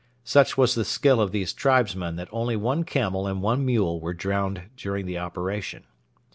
Such was the skill of these tribesmen that only one camel and one mule were drowned during the operation.